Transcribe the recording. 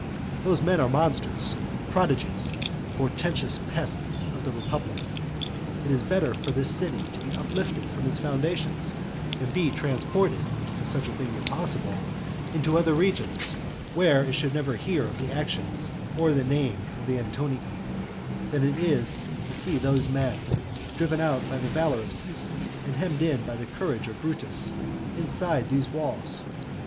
Those men are monsters, prodigies, portentous pests of the republic. It would be better for this city to be uplifted from its foundations and transported, if such a thing were possible, into other regions, where it should never hear of the actions or the name of the Antonii, than for it to see those men, driven out by the valour of Caesar, and hemmed in by the courage of Brutus, inside these walls.